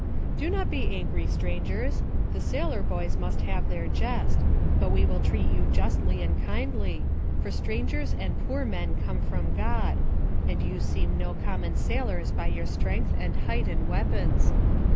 "Do not be angry, strangers; the sailor boys must have their jest. But we will treat you justly and kindly, for strangers and poor men come from God; and you seem no common sailors by your strength, and height, and weapons.